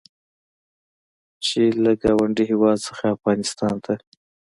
چې له ګاونډي هېواد څخه افغانستان ته